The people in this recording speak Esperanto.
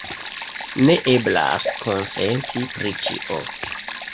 Ne eblas konsenti pri ĉio.